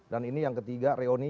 dan ini yang ketiga reoni